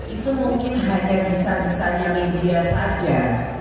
itu mungkin hightech desa desanya media saja